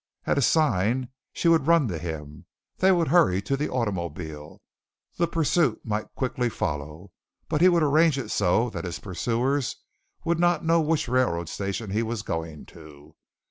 At a sign she would run to him. They would hurry to the automobile. The pursuit might quickly follow, but he would arrange it so that his pursuers would not know which railroad station he was going to.